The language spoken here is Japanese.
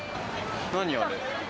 何あれ？